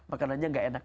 makanannya gak enak